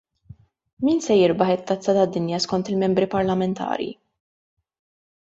Min se jirbaħ it-Tazza tad-Dinja skont il-Membri Parlamentari?